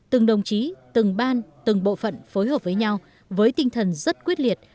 từng đồng chí từng ban từng bộ phận phối hợp với nhau với tinh thần rất quyết liệt